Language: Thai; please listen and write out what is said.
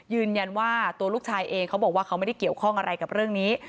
ยืนยันว่าตัวลูกชายเองเขาบอกว่าเขาไม่ได้เกี่ยวข้องอะไรกับเรื่องนี้